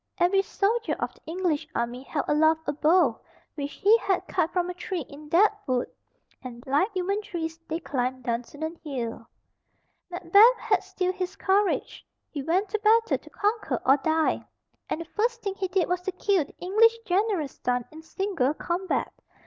Every soldier of the English army held aloft a bough which he had cut from a tree in that wood, and like human trees they climbed Dunsinane Hill. Macbeth had still his courage. He went to battle to conquer or die, and the first thing he did was to kill the English general's son in single combat.